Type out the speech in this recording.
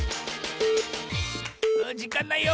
じかんないよ。